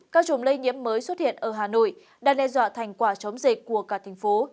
các trùm lây nhiễm mới xuất hiện ở hà nội đang le dọa thành quả chống dịch của cả thành phố